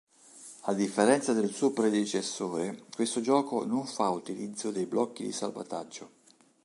A differenza del suo predecessore, questo gioco non fa utilizzo dei blocchi di salvataggio.